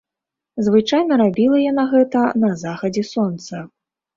Звычайна рабіла яна гэта на захадзе сонца.